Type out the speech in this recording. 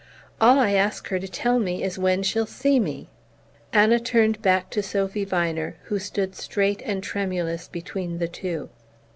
All I ask her to tell me is when she'll see me." Anna turned back to Sophy Viner, who stood straight and tremulous between the two.